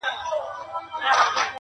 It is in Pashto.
په ژوندینه راته سپي ویل باداره,